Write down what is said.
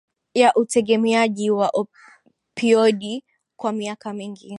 ya utegemeaji wa opioidi kwa miaka mingi